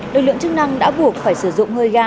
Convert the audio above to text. lực lượng chức năng đã buộc phải sử dụng hơi ga